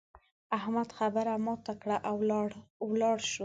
احمد خبره ماته کړه او ولاړ شو.